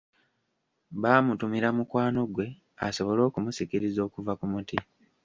Baamutumira mukwano gwe asobole okumusikiriza okuva ku muti.